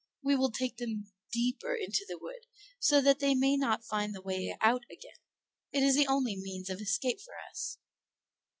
We will take them deeper into the wood, so that they may not find the way out again; it is the only means of escape for us."